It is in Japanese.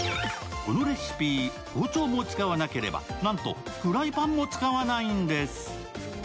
このレシピ、包丁も使わなければなんとフライパンも使わないんです。